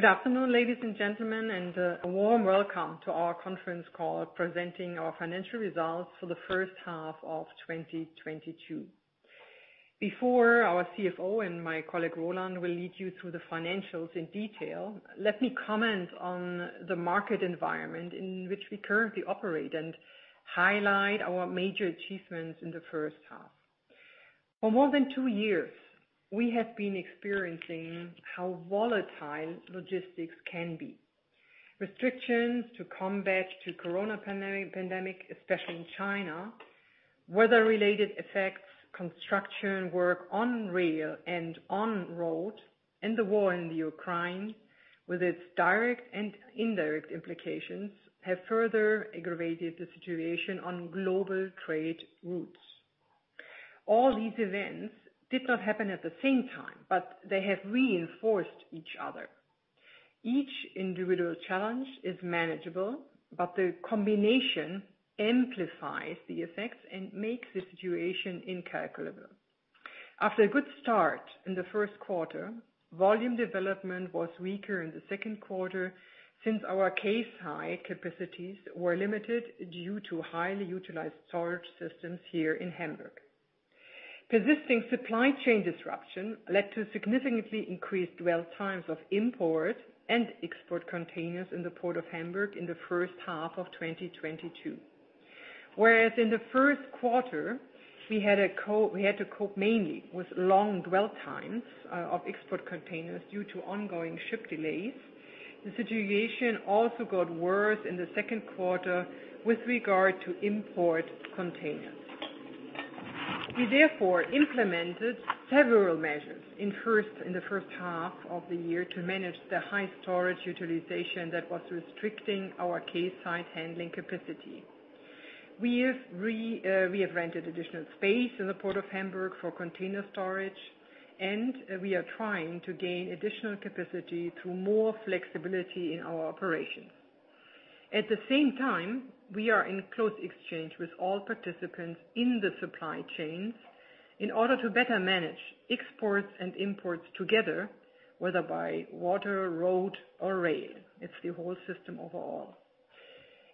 Good afternoon, ladies and gentlemen, and a warm welcome to our conference call presenting our financial results for the first half of 2022. Before our CFO and my colleague, Roland, will lead you through the financials in detail, let me comment on the market environment in which we currently operate and highlight our major achievements in the first half. For more than two years, we have been experiencing how volatile logistics can be. Restrictions to combat the COVID-19 pandemic, especially in China, weather-related effects, construction work on rail and on road, and the war in Ukraine with its direct and indirect implications, have further aggravated the situation on global trade routes. All these events did not happen at the same time, but they have reinforced each other. Each individual challenge is manageable, but the combination amplifies the effects and makes the situation incalculable. After a good start in the first quarter, volume development was weaker in the second quarter since our quayside capacities were limited due to highly utilized storage systems here in Hamburg. Persisting supply chain disruption led to significantly increased dwell times of import and export containers in the Port of Hamburg in the first half of 2022. Whereas in the first quarter we had to cope mainly with long dwell times of export containers due to ongoing ship delays, the situation also got worse in the second quarter with regard to import containers. We therefore implemented several measures in the first half of the year to manage the high storage utilization that was restricting our quayside handling capacity. We have rented additional space in the Port of Hamburg for container storage, and we are trying to gain additional capacity through more flexibility in our operations. At the same time, we are in close exchange with all participants in the supply chain in order to better manage exports and imports together, whether by water, road or rail. It's the whole system overall.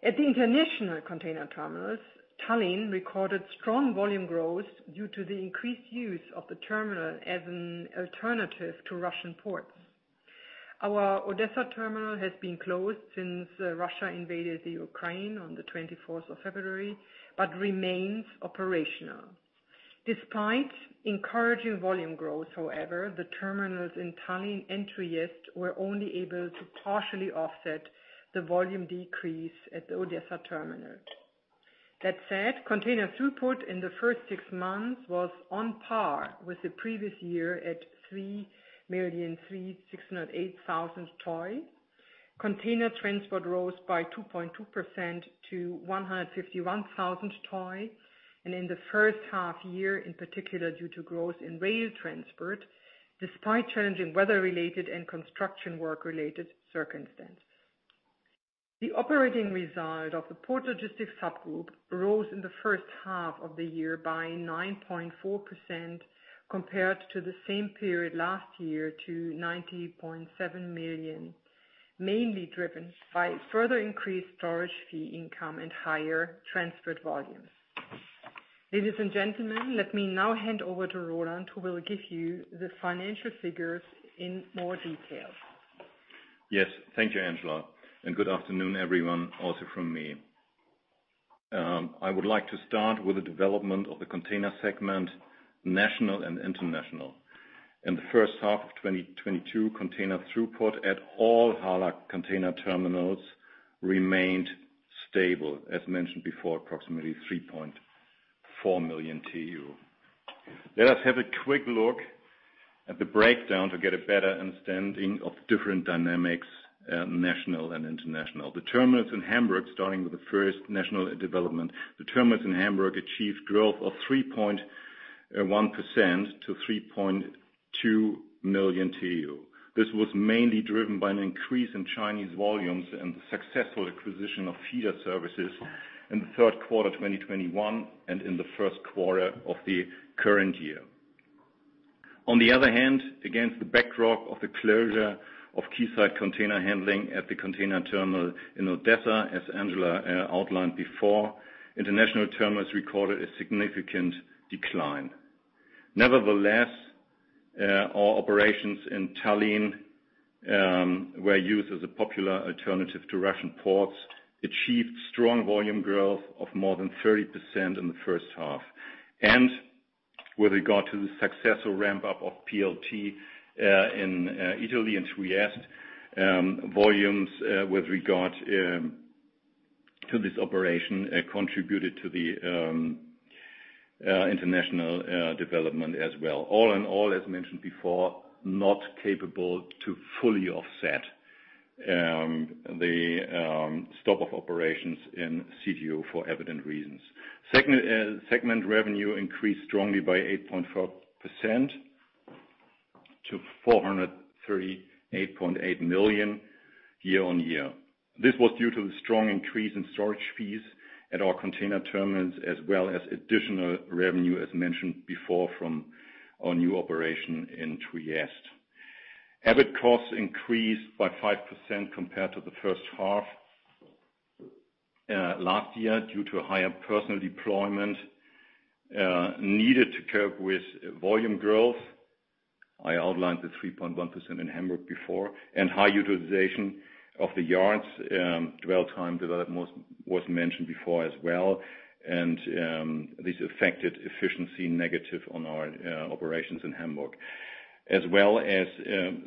At the international container terminals, Tallinn recorded strong volume growth due to the increased use of the terminal as an alternative to Russian ports. Our Odessa terminal has been closed since Russia invaded the Ukraine on the 24th of February, but remains operational. Despite encouraging volume growth, however, the terminals in Tallinn and Trieste were only able to partially offset the volume decrease at the Odessa terminal. That said, container throughput in the first six months was on par with the previous year at 3,368,000 TEU. Container transport rose by 2.2% to 151,000 TEU. In the first half year, in particular, due to growth in rail transport, despite challenging weather-related and construction work-related circumstances. The operating result of the Port Logistics subgroup rose in the first half of the year by 9.4% compared to the same period last year to 90.7 million, mainly driven by further increased storage fee income and higher transport volumes. Ladies and gentlemen, let me now hand over to Roland, who will give you the financial figures in more detail. Yes. Thank you, Angela, and good afternoon, everyone, also from me. I would like to start with the development of the container segment, national and international. In the first half of 2022, container throughput at all HHLA container terminals remained stable. As mentioned before, approximately 3.4 million TEU. Let us have a quick look at the breakdown to get a better understanding of different dynamics, national and international. The terminals in Hamburg, starting with the first national development, the terminals in Hamburg achieved growth of 3.1% to 3.2 million TEU. This was mainly driven by an increase in Chinese volumes and the successful acquisition of feeder services in the third quarter 2021 and in the first quarter of the current year. On the other hand, against the backdrop of the closure of quayside container handling at the Container Terminal Odessa, as Angela outlined before, international terminals recorded a significant decline. Nevertheless, our operations in Tallinn were used as a popular alternative to Russian ports, achieved strong volume growth of more than 30% in the first half. With regard to the successful ramp up of PLT in Italy, in Trieste, volumes with regard to this operation contributed to the international development as well. All in all, as mentioned before, not capable to fully offset the stop of operations in CTO for evident reasons. Second, segment revenue increased strongly by 8.4% to 438.8 million YoY. This was due to the strong increase in storage fees at our container terminals, as well as additional revenue, as mentioned before, from our new operation in Trieste. EBIT costs increased by 5% compared to the first half last year due to a higher personnel deployment needed to cope with volume growth. I outlined the 3.1% in Hamburg before, and high utilization of the yards, dwell time development was mentioned before as well. This affected efficiency negative on our operations in Hamburg, as well as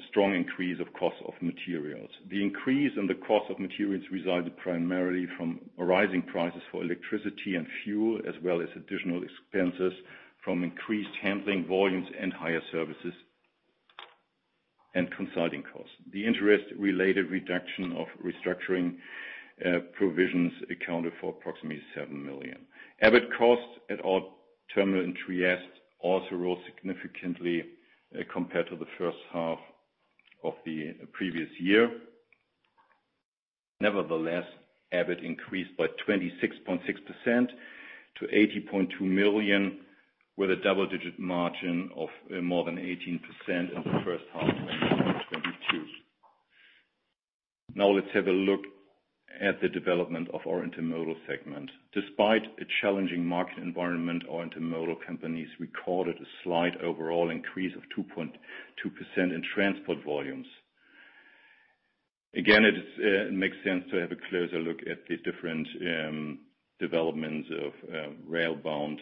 strong increase of cost of materials. The increase in the cost of materials resulted primarily from rising prices for electricity and fuel, as well as additional expenses from increased handling volumes and higher services and consulting costs. The interest-related reduction of restructuring provisions accounted for approximately 7 million. EBIT costs at our terminal in Trieste also rose significantly, compared to the first half of the previous year. Nevertheless, EBIT increased by 26.6% to 80.2 million, with a double-digit margin of more than 18% in the first half of 2022. Now let's have a look at the development of our intermodal segment. Despite a challenging market environment, our intermodal companies recorded a slight overall increase of 2.2% in transport volumes. Again, it makes sense to have a closer look at the different developments of rail-bound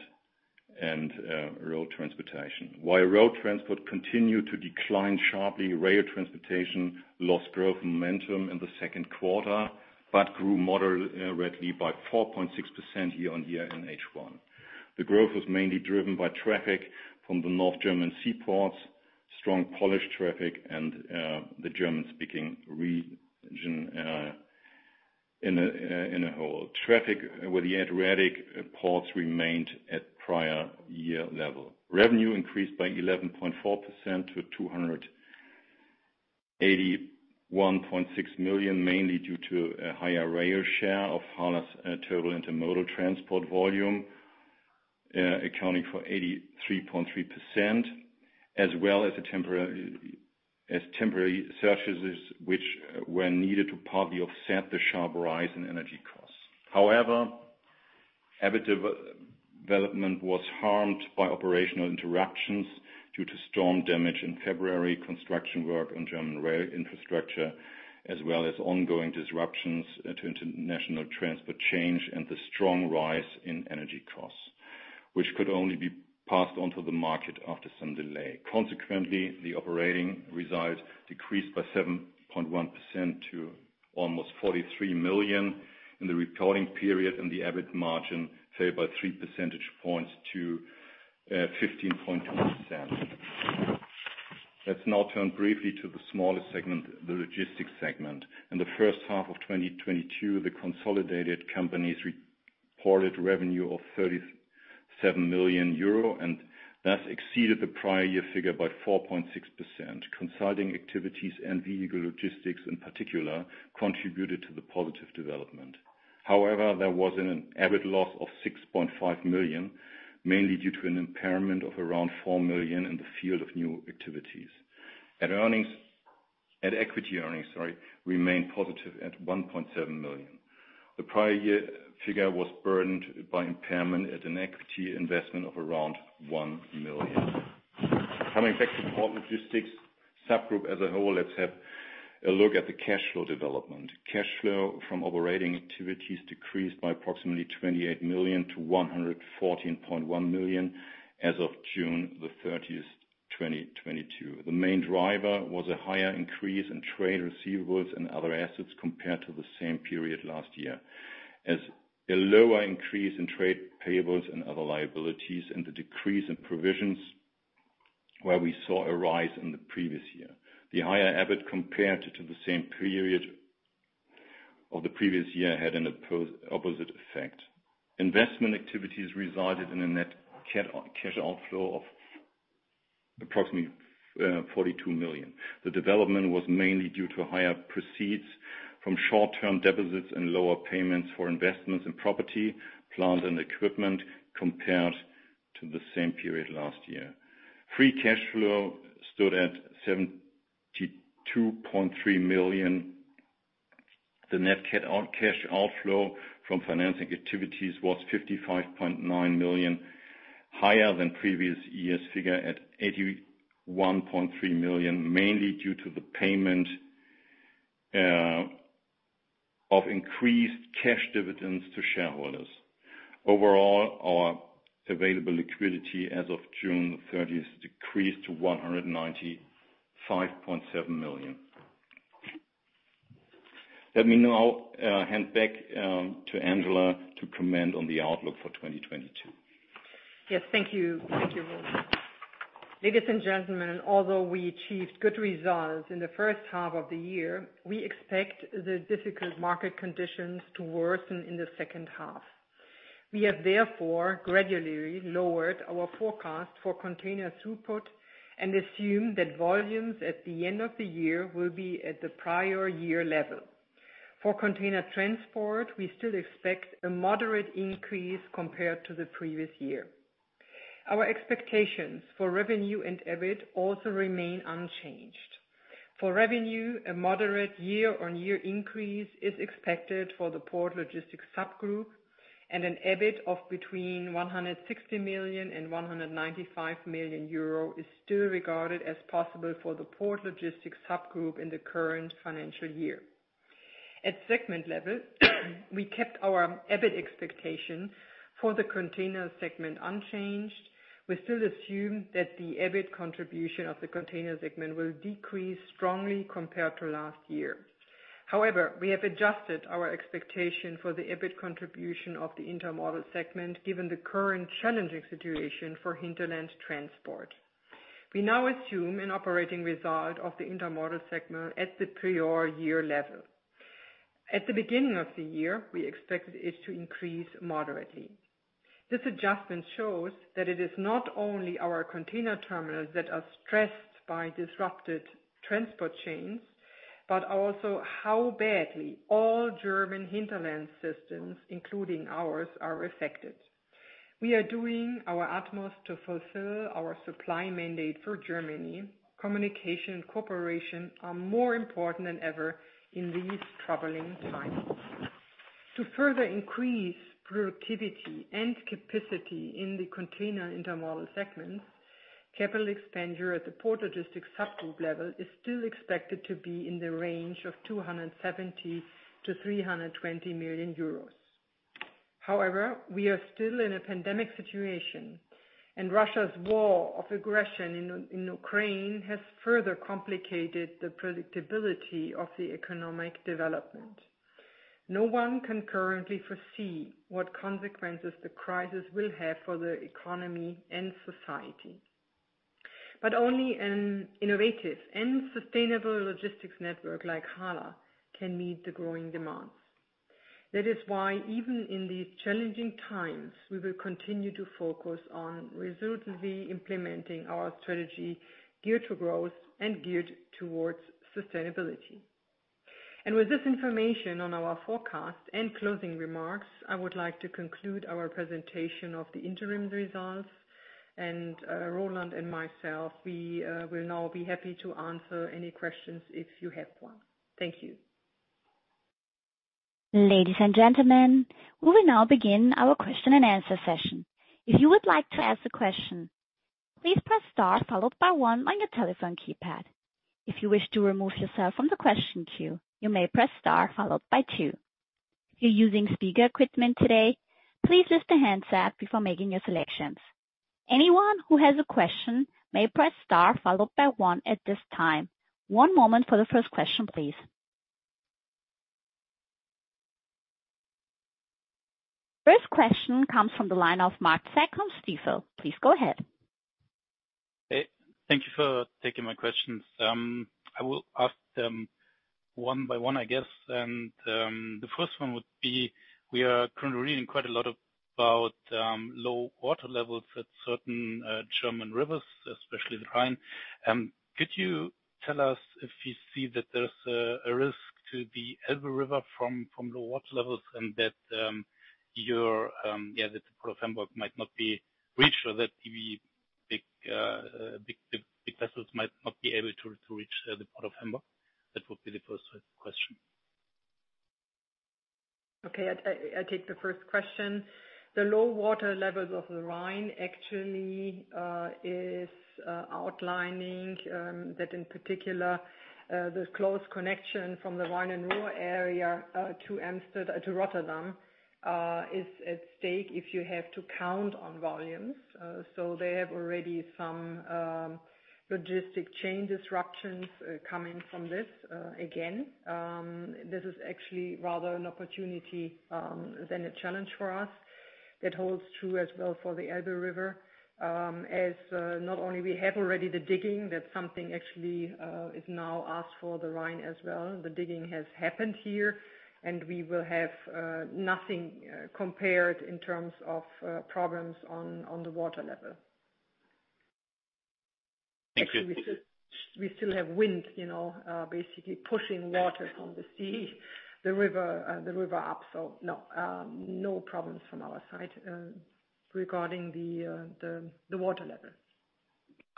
and road transportation. While road transport continued to decline sharply, rail transportation lost growth momentum in the second quarter, but grew moderately by 4.6% YoY in H1. The growth was mainly driven by traffic from the North German seaports, strong Polish traffic and the German-speaking region in a whole. Traffic with the Adriatic ports remained at prior-year level. Revenue increased by 11.4% to 281.6 million, mainly due to a higher rail share of HHLA's total intermodal transport volume, accounting for 83.3%, as well as temporary surcharges which were needed to partly offset the sharp rise in energy costs. However, EBIT development was harmed by operational interruptions due to storm damage in February, construction work on German rail infrastructure, as well as ongoing disruptions to international transport chains and the strong rise in energy costs, which could only be passed on to the market after some delay. Consequently, the operating results decreased by 7.1% to almost 43 million in the reporting period, and the EBIT margin fell by 3 percentage points to 15.1%. Let's now turn briefly to the smallest segment, the logistics segment. In the first half of 2022, the consolidated companies reported revenue of 37 million euro, and thus exceeded the prior year figure by 4.6%. Consulting activities and vehicle logistics in particular contributed to the positive development. However, there was an EBIT loss of 6.5 million, mainly due to an impairment of around 4 million in the field of new activities. At-equity earnings remained positive at 1.7 million. The prior year figure was burdened by impairment at an equity investment of around 1 million. Coming back to Port Logistics subgroup as a whole, let's have a look at the cash flow development. Cash flow from operating activities decreased by approximately 28 million-114.1 million as of June 30, 2022. The main driver was a higher increase in trade receivables and other assets compared to the same period last year. A lower increase in trade payables and other liabilities and the decrease in provisions where we saw a rise in the previous year. The higher EBIT compared to the same period of the previous year had an opposite effect. Investment activities resulted in a net cash outflow of approximately 42 million. The development was mainly due to higher proceeds from short-term deposits and lower payments for investments in property, plant and equipment compared to the same period last year. Free cash flow stood at 72.3 million. The net cash outflow from financing activities was 55.9 million, higher than previous year's figure at 81.3 million, mainly due to the payment of increased cash dividends to shareholders. Overall, our available liquidity as of June 30 decreased to 195.7 million. Let me now hand back to Angela Titzrath to comment on the outlook for 2022. Yes, thank you. Thank you, Roland. Ladies and gentlemen, although we achieved good results in the first half of the year, we expect the difficult market conditions to worsen in the second half. We have therefore gradually lowered our forecast for container throughput and assume that volumes at the end of the year will be at the prior year level. For container transport, we still expect a moderate increase compared to the previous year. Our expectations for revenue and EBIT also remain unchanged. For revenue, a moderate year-on-year increase is expected for the Port Logistics subgroup, and an EBIT of between 160 million and 195 million euro is still regarded as possible for the Port Logistics subgroup in the current financial year. At segment level, we kept our EBIT expectation for the container segment unchanged. We still assume that the EBIT contribution of the container segment will decrease strongly compared to last year. However, we have adjusted our expectation for the EBIT contribution of the intermodal segment, given the current challenging situation for hinterland transport. We now assume an operating result of the intermodal segment at the prior year level. At the beginning of the year, we expected it to increase moderately. This adjustment shows that it is not only our container terminals that are stressed by disrupted transport chains, but also how badly all German hinterland systems, including ours, are affected. We are doing our utmost to fulfill our supply mandate for Germany. Communication and cooperation are more important than ever in these troubling times. To further increase productivity and capacity in the container intermodal segment, capital expenditure at the Port Logistics subgroup level is still expected to be in the range of 270 million-320 million euros. However, we are still in a pandemic situation, and Russia's war of aggression in Ukraine has further complicated the predictability of the economic development. No one can currently foresee what consequences the crisis will have for the economy and society. Only an innovative and sustainable logistics network like HHLA can meet the growing demands. That is why even in these challenging times, we will continue to focus on resolutely implementing our strategy geared to growth and geared towards sustainability. With this information on our forecast and closing remarks, I would like to conclude our presentation of the interim results. Roland and myself, we will now be happy to answer any questions if you have one. Thank you. Ladies and gentlemen, we will now begin our question-and-answer session. If you would like to ask a question, please press star followed by one on your telephone keypad. If you wish to remove yourself from the question queue, you may press star followed by two. If you're using speaker equipment today, please lift the handset before making your selections. Anyone who has a question may press star followed by one at this time. One moment for the first question, please. First question comes from the line of Mark Astrachan on Stifel. Please go ahead. Hey, thank you for taking my questions. I will ask them one by one, I guess. The first one would be, we are currently reading quite a lot about low water levels at certain German rivers, especially the Rhine. Could you tell us if you see that there's a risk to the Elbe River from low water levels and that your yeah, that the Port of Hamburg might not be reached, or that the big vessels might not be able to reach the Port of Hamburg? That would be the first question. Okay. I take the first question. The low water levels of the Rhine actually is underlining that in particular the close connection from the Rhine and Ruhr area to Rotterdam is at stake if you have to count on volumes. They have already some logistics chain disruptions coming from this again. This is actually rather an opportunity than a challenge for us. That holds true as well for the Elbe River, as not only we have already the digging, that's something actually is now asked for the Rhine as well. The digging has happened here, and we will have nothing comparable in terms of problems on the water level. Thank you. Actually, we still have wind, you know, basically pushing water from the sea, the river up. No problems from our side, regarding the water levels.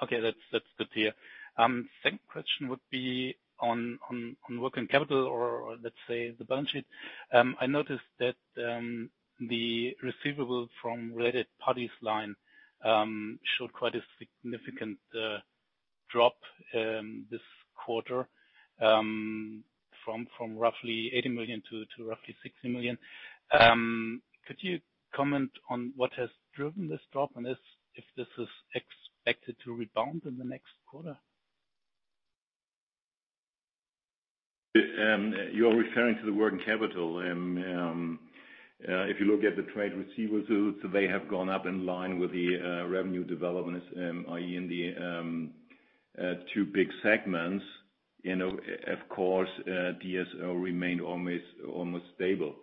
Okay. That's good to hear. Second question would be on working capital or let's say the balance sheet. I noticed that the receivable from related parties line showed quite a significant drop this quarter, from roughly 80 million to roughly 60 million. Could you comment on what has driven this drop and if this is expected to rebound in the next quarter? You're referring to the working capital. If you look at the trade receivables, they have gone up in line with the revenue developments, i.e. in the two big segments. You know, of course, DSO remained almost stable.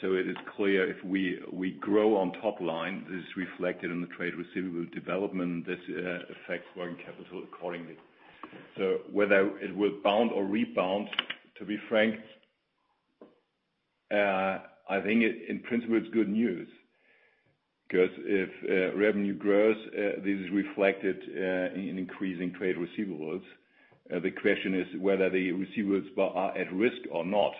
So it is clear if we grow on top line, this is reflected in the trade receivable development. This affects working capital accordingly. So whether it will be down or rebound, to be frank, I think in principle, it's good news. Because if revenue grows, this is reflected in increasing trade receivables. The question is whether the receivables are at risk or not.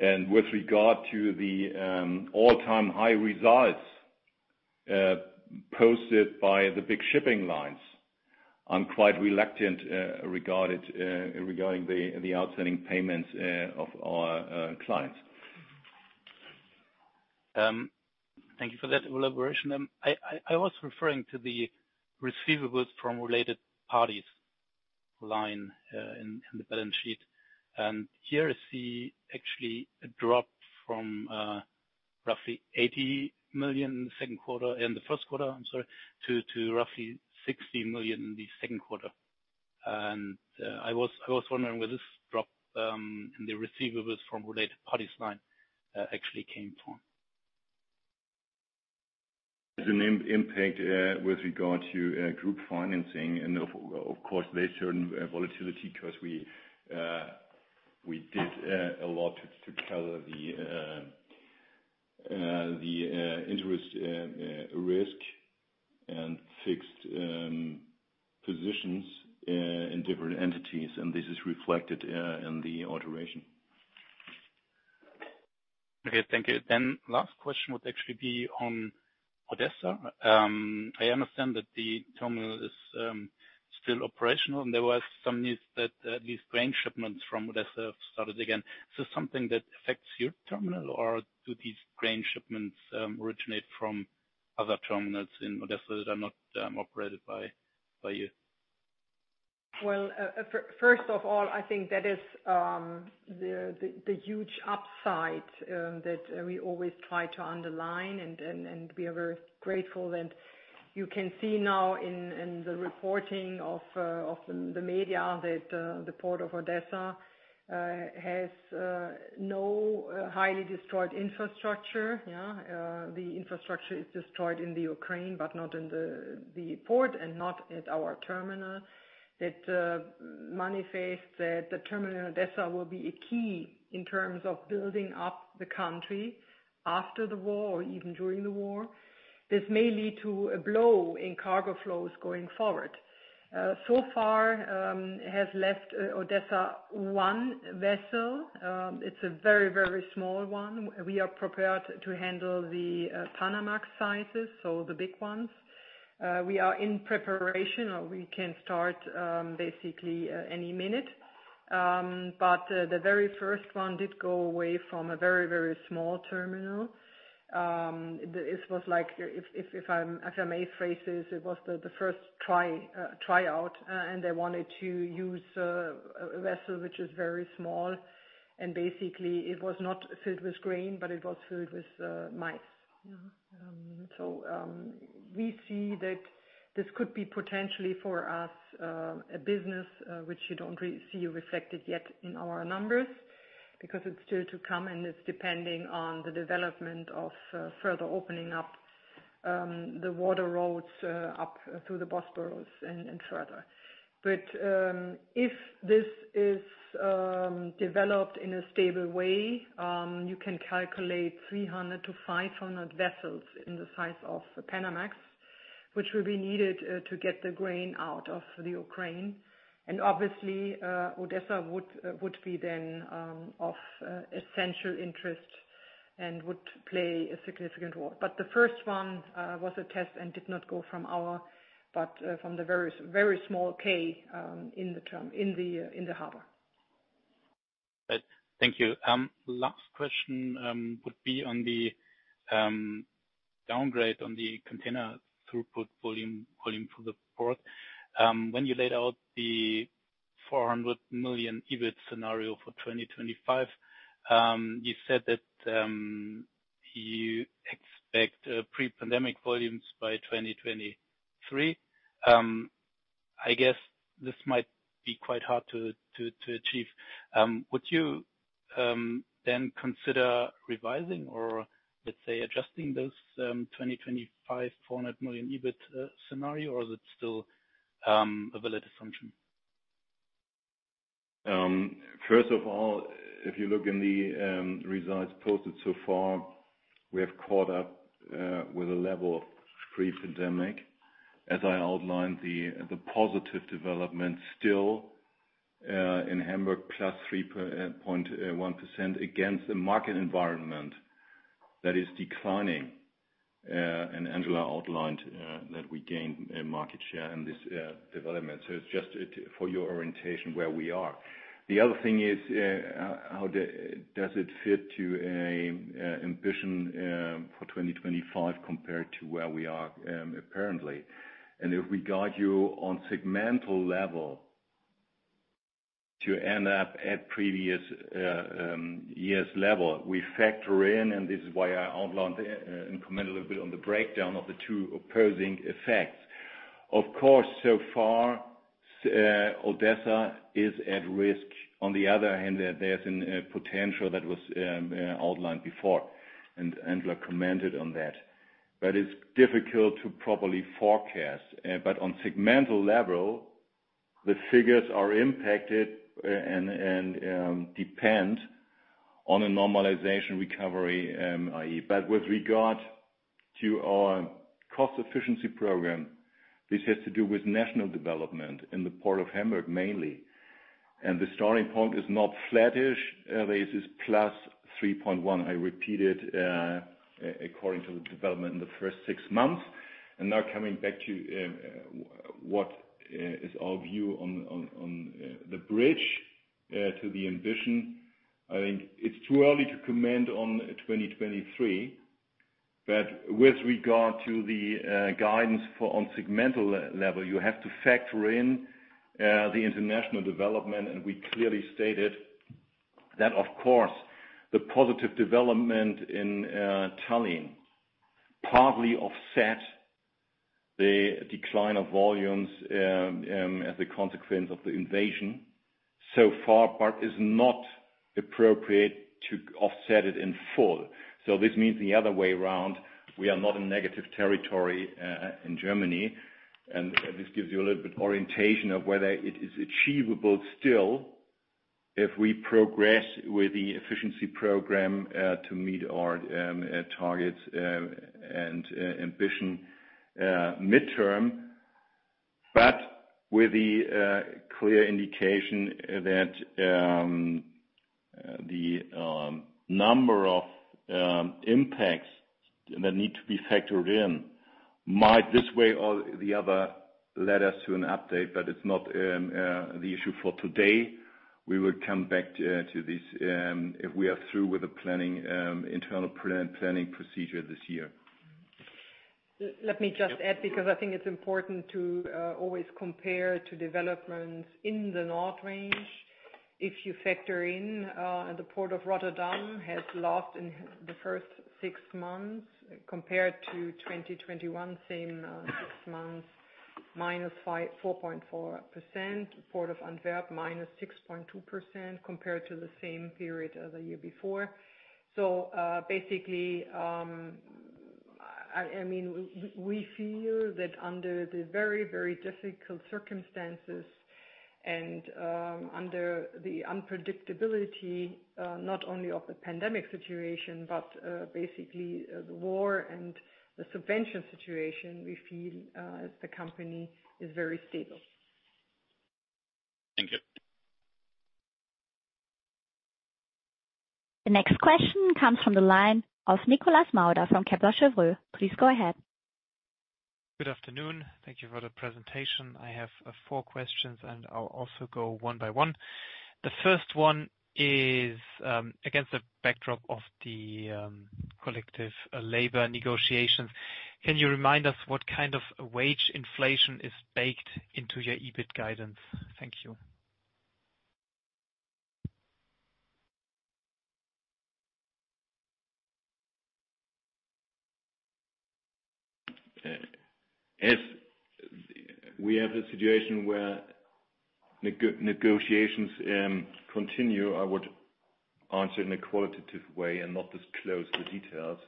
With regard to the all-time high results posted by the big shipping lines, I'm quite reluctant regarding the outstanding payments of our clients. Thank you for that elaboration. I was referring to the receivables from related parties line in the balance sheet. Here I see actually a drop from roughly 80 million in the first quarter to roughly 60 million in the second quarter. I was wondering where this drop in the receivables from related parties line actually came from. The impact with regard to group financing and, of course, they show volatility because we did a lot to cover the interest risk and fixed positions in different entities, and this is reflected in the alteration. Okay, thank you. Last question would actually be on Odessa. I understand that the terminal is still operational, and there was some news that these grain shipments from Odessa have started again. Is this something that affects your terminal, or do these grain shipments originate from other terminals in Odessa that are not operated by you? First of all, I think that is the huge upside that we always try to underline and we are very grateful. You can see now in the reporting of the media that the port of Odessa has no highly destroyed infrastructure, yeah. The infrastructure is destroyed in the Ukraine, but not in the port and not at our terminal. It manifests that the terminal in Odessa will be a key in terms of building up the country after the war or even during the war. This may lead to a boom in cargo flows going forward. So far, one vessel has left Odessa. It's a very, very small one. We are prepared to handle the Panamax sizes, so the big ones. We are in preparation, or we can start, basically, any minute. The very first one did go away from a very small terminal. This was like, if I may phrase this, it was the first tryout, and they wanted to use a vessel which is very small. Basically, it was not filled with grain, but it was filled with maize. We see that this could be potentially for us a business which you don't see reflected yet in our numbers because it's still to come, and it's depending on the development of further opening up the waterways up through the Bosporus and further. If this is developed in a stable way, you can calculate 300-500 vessels in the size of Panamax, which will be needed to get the grain out of the Ukraine. Obviously, Odessa would be then of essential interest and would play a significant role. The first one was a test and did not go from the very small quay in the terminal in the harbor. Right. Thank you. Last question would be on the downgrade on the container throughput volume for the port. When you laid out the 400 million EBIT scenario for 2025, you said that you expect pre-pandemic volumes by 2023. I guess this might be quite hard to achieve. Would you then consider revising or, let's say, adjusting this 2025 400 million EBIT scenario, or is it still a valid assumption? First of all, if you look in the results posted so far, we have caught up with a level of pre-pandemic. As I outlined, the positive development still in Hamburg, plus 3.1% against the market environment that is declining. Angela outlined that we gained a market share in this development. It's just for your orientation where we are. The other thing is, how does it fit to an ambition for 2025 compared to where we are, apparently. If we guide you on segmental level to end up at previous years' level, we factor in, and this is why I outlined and commented a little bit on the breakdown of the two opposing effects. Of course, so far, Odessa is at risk. On the other hand, there's a potential that was outlined before, and Angela Titzrath commented on that. It's difficult to properly forecast. On segmental level, the figures are impacted, and depend on a normalization recovery, i.e. With regard to our cost efficiency program, this has to do with natural development in the port of Hamburg mainly. The starting point is not flattish, this is +3.1%. I repeat it, according to the development in the first six months. Now coming back to what is our view on the bridge to the ambition. I think it's too early to comment on 2023, with regard to the guidance on segmental level, you have to factor in the international development. We clearly stated that, of course, the positive development in Tallinn partly offset the decline of volumes as a consequence of the invasion so far, but is not appropriate to offset it in full. This means the other way around, we are not in negative territory in Germany. This gives you a little bit orientation of whether it is achievable still if we progress with the efficiency program to meet our targets and ambition midterm. With the clear indication that the number of impacts that need to be factored in might this way or the other lead us to an update, but it's not the issue for today. We will come back to this if we are through with the planning, internal planning procedure this year. Let me just add, because I think it's important to always compare to developments in the North Range. If you factor in, the Port of Rotterdam has lost in the first six months compared to 2021, same six months, -4.4%. Port of Antwerp, -6.2% compared to the same period of the year before. Basically, I mean, we feel that under the very, very difficult circumstances and under the unpredictability, not only of the pandemic situation, but basically the war and the sanction situation, we feel the company is very stable. Thank you. The next question comes from the line of Nicolai Thomsen from Kepler Cheuvreux. Please go ahead. Good afternoon. Thank you for the presentation. I have four questions, and I'll also go one by one. The first one is against the backdrop of the collective labor negotiations. Can you remind us what kind of wage inflation is baked into your EBIT guidance? Thank you. As we have a situation where negotiations continue, I would answer in a qualitative way and not disclose the details.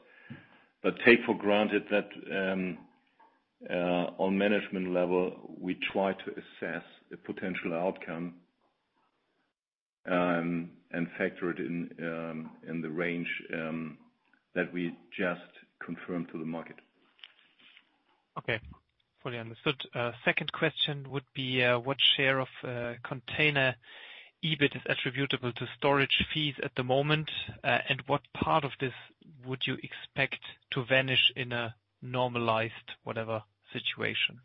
Take for granted that on management level, we try to assess the potential outcome and factor it in the range that we just confirmed to the market. Okay. Fully understood. Second question would be, what share of container EBIT is attributable to storage fees at the moment? What part of this would you expect to vanish in a normalized, whatever situation?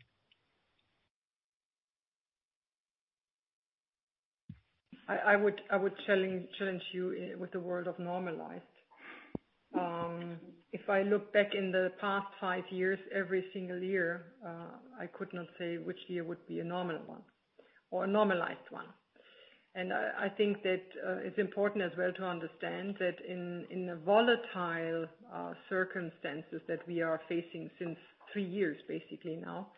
I would challenge you with the word of normalized. If I look back in the past five years, every single year, I could not say which year would be a normal one or a normalized one. I think that it's important as well to understand that in the volatile circumstances that we are facing since three years, basically now,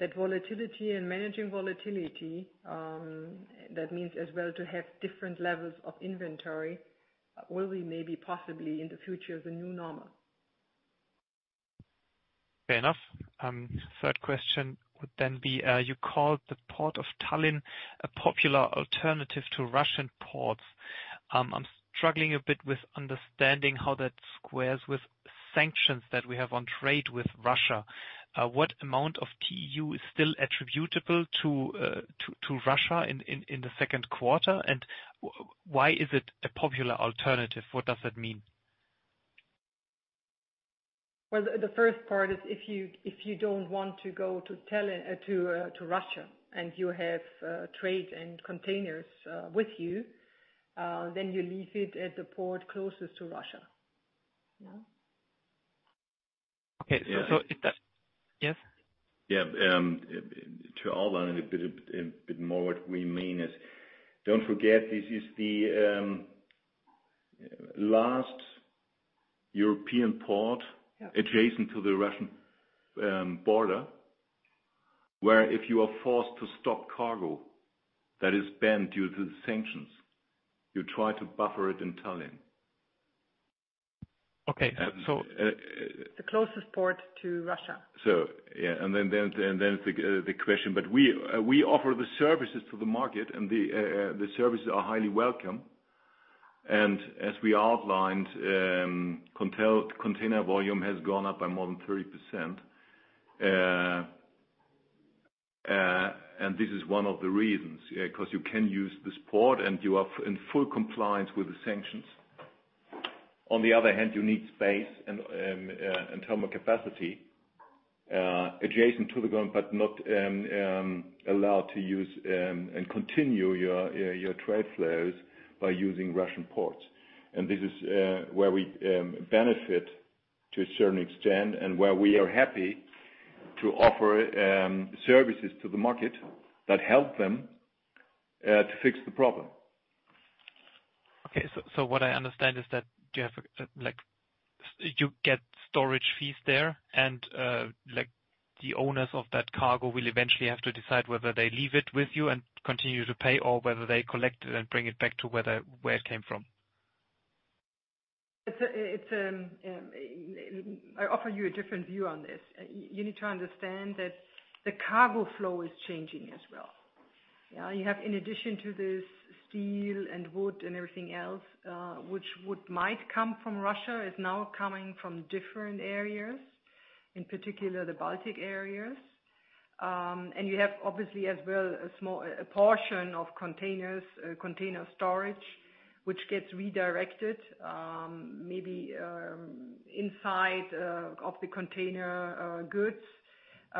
that volatility and managing volatility, that means as well to have different levels of inventory, will be maybe possibly in the future, the new normal. Fair enough. Third question would be, you called the port of Tallinn a popular alternative to Russian ports. I'm struggling a bit with understanding how that squares with sanctions that we have on trade with Russia. What amount of TEU is still attributable to Russia in the second quarter? Why is it a popular alternative? What does that mean? Well, the first part is if you don't want to go to Russia, and you have trades and containers with you, then you leave it at the port closest to Russia. Yeah. Okay. Is that Yes? To add on a bit more what we mean is don't forget, this is the last European port adjacent to the Russian border, where if you are forced to stop cargo that is banned due to the sanctions, you try to buffer it in Tallinn. Okay. The closest port to Russia. We offer the services to the market and the services are highly welcome. As we outlined, container volume has gone up by more than 30%. This is one of the reasons. Yeah, 'cause you can use this port and you are in full compliance with the sanctions. On the other hand, you need space and terminal capacity, agents on the ground, but not allowed to use and continue your trade flows by using Russian ports. This is where we benefit to a certain extent, and where we are happy to offer services to the market that help them to fix the problem. Okay. What I understand is that you have, like, you get storage fees there and, like, the owners of that cargo will eventually have to decide whether they leave it with you and continue to pay, or whether they collect it and bring it back to where it came from. I offer you a different view on this. You need to understand that the cargo flow is changing as well. You have, in addition to this, steel and wood and everything else, which might come from Russia, is now coming from different areas, in particular the Baltic areas. You have obviously as well a small portion of containers, container storage, which gets redirected, maybe inside of the container goods,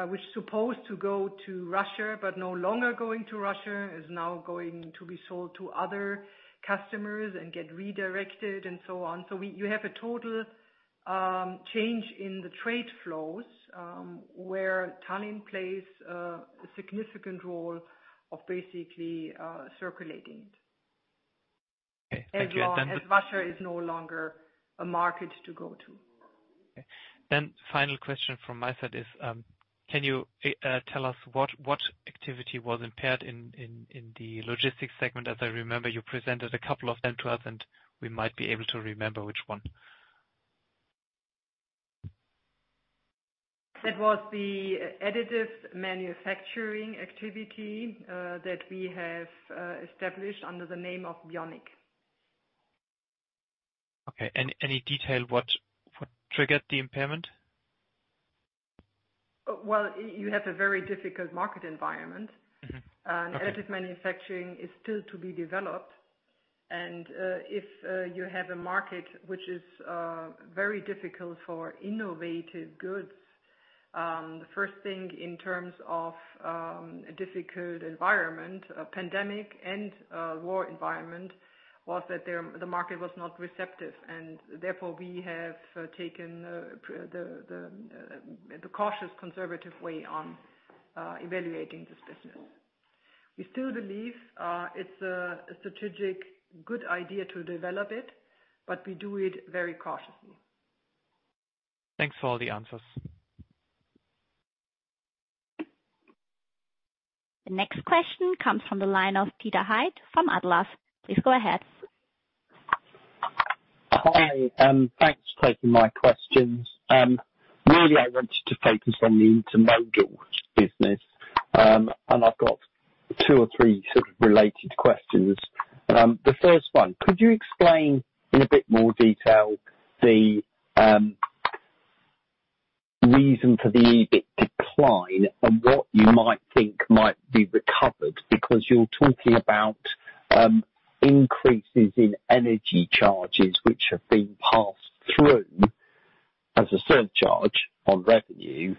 which supposed to go to Russia but no longer going to Russia, is now going to be sold to other customers and get redirected and so on. You have a total change in the trade flows, where Tallinn plays a significant role of basically circulating it. Okay. Thank you. Russia is no longer a market to go to. Final question from my side is, can you tell us what activity was impaired in the logistics segment? As I remember, you presented a couple of them to us, and we might be able to remember which one. That was the additive manufacturing activity that we have established under the name of Vionice. Okay. Any detail what triggered the impairment? Well, you have a very difficult market environment. Mm-hmm. Okay. Additive manufacturing is still to be developed. If you have a market which is very difficult for innovative goods, the first thing in terms of a difficult environment, a pandemic and war environment, was that the market was not receptive. Therefore, we have taken the cautious conservative way on evaluating this business. We still believe it's a strategic good idea to develop it, but we do it very cautiously. Thanks for all the answers. The next question comes from the line of Peter Hyde from Atlas. Please go ahead. Hi. Thanks for taking my questions. Really, I wanted to focus on the intermodal business, and I've got two or three sort of related questions. The first one, could you explain in a bit more detail the reason for the EBIT decline and what you might think might be recovered? Because you're talking about increases in energy charges which have been passed through as a surcharge on revenue,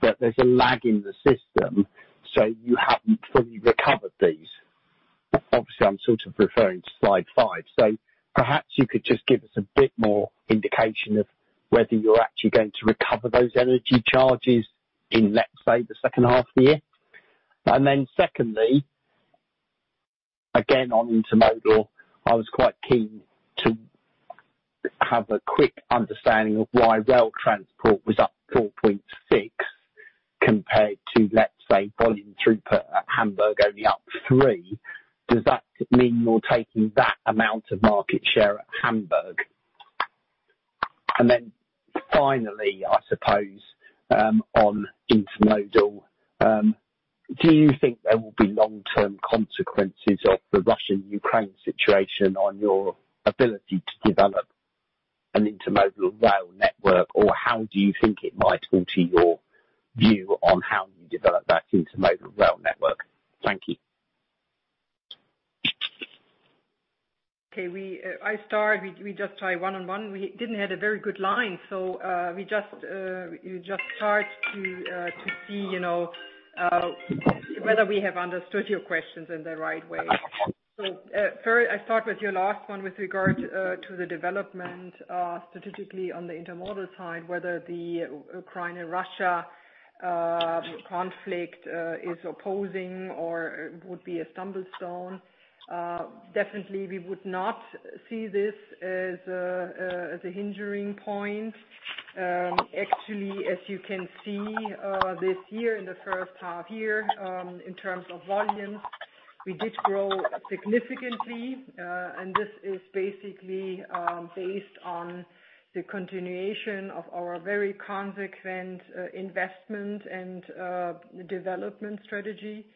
but there's a lag in the system, so you haven't fully recovered these. Obviously, I'm sort of referring to slide five. Perhaps you could just give us a bit more indication of whether you're actually going to recover those energy charges in, let's say, the second half of the year. Secondly, again, on intermodal, I was quite keen to have a quick understanding of why rail transport was up 4.6% compared to, let's say, volume throughput at Hamburg only up 3%. Does that mean you're taking that amount of market share at Hamburg? Finally, I suppose, on intermodal, do you think there will be long-term consequences of the Russia-Ukraine situation on your ability to develop an intermodal rail network? Or how do you think it might alter your view on how you develop that intermodal rail network? Thank you. Okay. I start. We just try one-on-one. We didn't have a very good line, so you just start to see, you know, whether we have understood your questions in the right way. First, I start with your last one with regard to the development strategically on the intermodal side, whether the Ukraine and Russia conflict is posing or would be a stumbling stone. Definitely, we would not see this as a hindering point. Actually, as you can see, this year, in the first half year, in terms of volumes, we did grow significantly. This is basically based on the continuation of our very consistent investment and development strategy.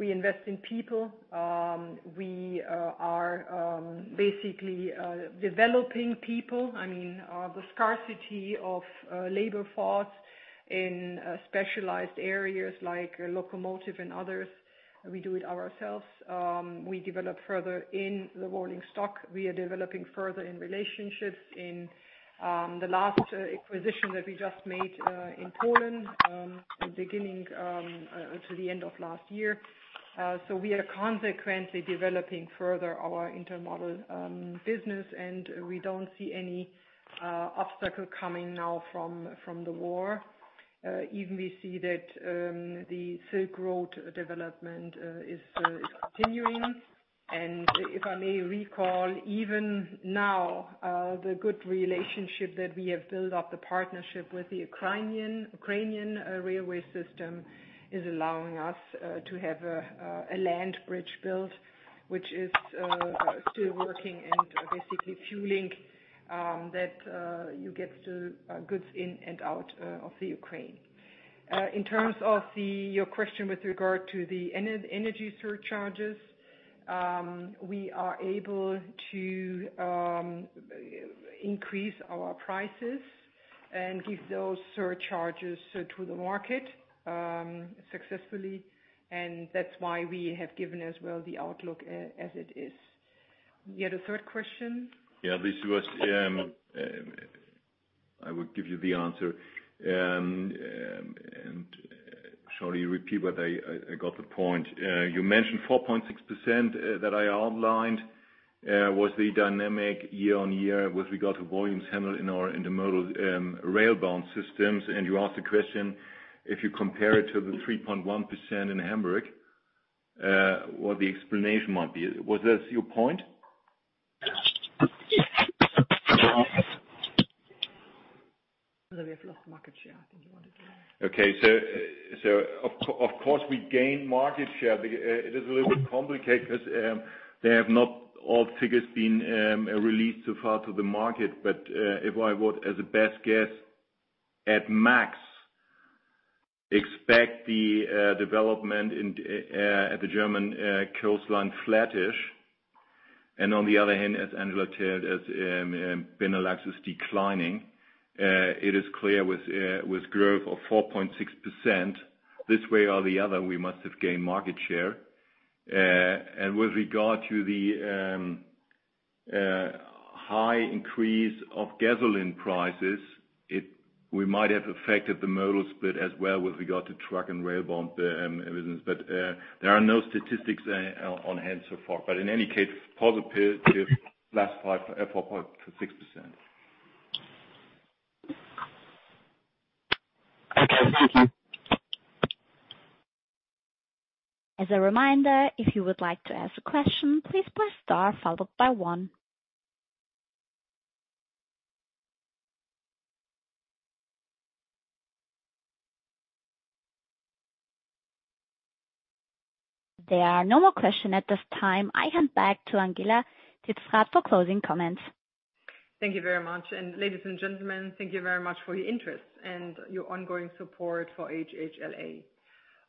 We invest in people. We are basically developing people. I mean, the scarcity of labor force in specialized areas like locomotive and others, we do it ourselves. We develop further in the rolling stock. We are developing further in relationships in the last acquisition that we just made in Poland, beginning to the end of last year. We are consequently developing further our intermodal business, and we don't see any obstacle coming now from the war. Even we see that the Silk Road development is continuing. If I may recall, even now, the good relationship that we have built up, the partnership with the Ukrainian railway system is allowing us to have a land bridge built, which is still working and basically fueling that you get the goods in and out of the Ukraine. In terms of your question with regard to the energy surcharges, we are able to increase our prices and give those surcharges to the market successfully, and that's why we have given as well the outlook as it is. You had a third question? Yeah. This was, I will give you the answer. Sorry, I got the point. You mentioned 4.6% that I outlined was the dynamic year-on-year with regard to volumes handled in our intermodal rail-bound systems. You asked the question, if you compare it to the 3.1% in Hamburg, what the explanation might be. Was this your point? That we have lost market share. I think you wanted to know. Of course, we gained market share. It is a little bit complicated because not all figures have been released so far to the market. I would, as a best guess, at max expect the development in the German coastline flattish. On the other hand, as Angela said, Benelux is declining, it is clear with growth of 4.6%, this way or the other, we must have gained market share. With regard to the high increase of gasoline prices, we might have affected the modal split as well with regard to truck and rail-bound business. There are no statistics on hand so far. In any case, positive last five, 4.6%. Okay. Thank you. As a reminder, if you would like to ask a question, please press star followed by one. There are no more questions at this time. I hand back to Angela Titzrath for closing comments. Thank you very much. Ladies and gentlemen, thank you very much for your interest and your ongoing support for HHLA.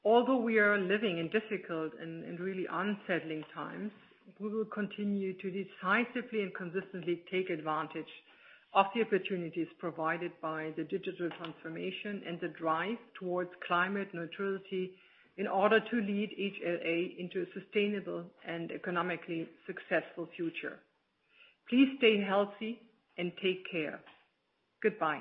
Although we are living in difficult and really unsettling times, we will continue to decisively and consistently take advantage of the opportunities provided by the digital transformation and the drive towards climate neutrality in order to lead HHLA into a sustainable and economically successful future. Please stay healthy and take care. Goodbye.